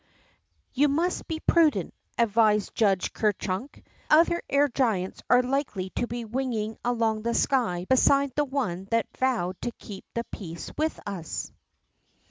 You must be prudent/' advised Judge Ker Chunk. Other air giants are likely to he wing ing along the sky beside the one _ that vowed to keep the peace with us."